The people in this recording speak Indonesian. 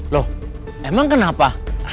loh emang kenapa